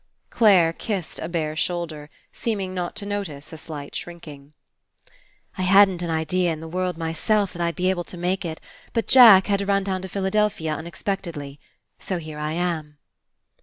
'' Clare kissed a bare shoulder, seeming not to notice a slight shrinking. "I hadn't an idea in the world, myself, that I'd be able to make it; but Jack had to run down to Philadelphia unexpectedly. So here I am."